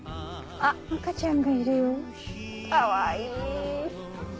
あっ赤ちゃんがいるよかわいい。